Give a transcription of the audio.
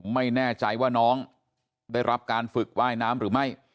ไม่แน่ใจว่าน้องได้รับการฝึกว่ายน้ำหรือไม่